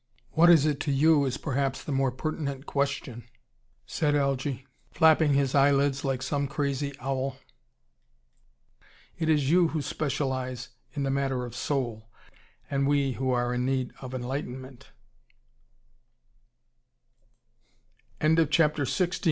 "What is it to you, is perhaps the more pertinent question," said Algy, flapping his eyelids like some crazy owl. "It is you who specialise in the matter of soul, and we who are in need of enlightenment " "Yes, very true, you ARE!